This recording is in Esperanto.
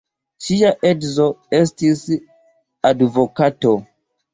Ŝia edzo estis advokato.